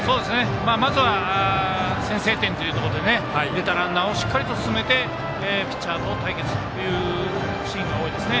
まずは先制点というところで出たランナーをしっかり進めてピッチャーと対決というシーンが多いですね。